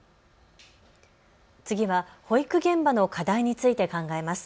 次は保育現場の課題について考えます。